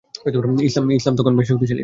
ইসলাম তখন বেশ শক্তিশালী।